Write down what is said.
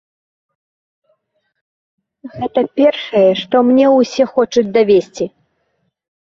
Гэта першае, што мне ўсе хочуць давесці.